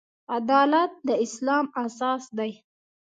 عدالت د اسلام اساس دی.